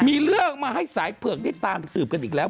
มีเรื่องมาให้สายเผือกได้ตามสืบกันอีกแล้ว